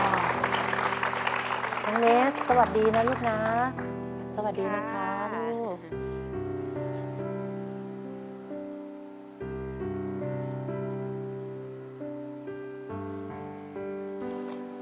และเล็กสวัสดีนะลูกน้ำสวัสดีนะคะ